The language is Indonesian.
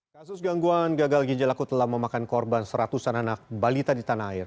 kasus gangguan gagal ginjal akut telah memakan korban seratusan anak balita di tanah air